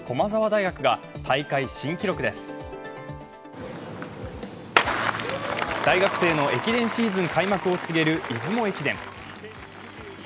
大学生の駅伝シーズン開幕を告げる出雲駅伝。